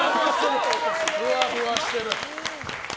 ふわふわしてる。